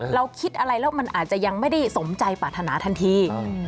เราคิดอะไรแล้วมันอาจจะยังไม่ได้สมใจปรารถนาทันที